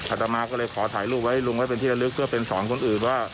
อาตมาก็เลยขอถ่ายรูปไว้ลุงไว้เป็นที่ระลึกเพื่อเป็นสอนคนอื่นว่า